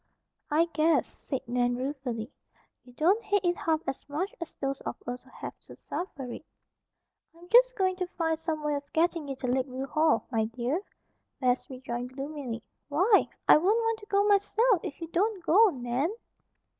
"I guess," said Nan ruefully, "you don't hate it half as much as those of us who have to suffer it." "I'm just going to find some way of getting you to Lakeview Hall, my dear," Bess rejoined gloomily. "Why! I won't want to go myself if you don't go, Nan."